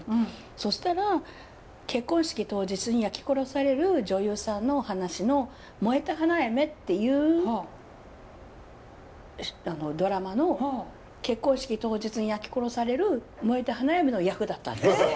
そしたら結婚式当日に焼き殺される女優さんのお話の「燃えた花嫁」っていうドラマの結婚式当日に焼き殺される燃えた花嫁の役だったんです。